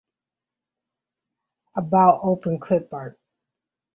About Open Clipart